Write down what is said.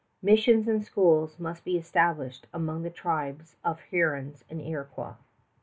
Missions and schools must be established among the tribes of Hurons and Iroquois.